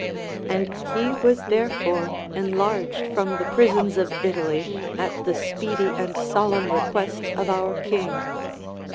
And he was therefore enlarged from the prisons of Italy at the speedy and solemn request of our king.